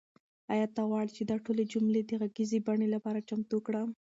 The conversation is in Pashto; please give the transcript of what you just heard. آیا ته غواړې چې دا ټولې جملې د غږیزې بڼې لپاره چمتو کړم؟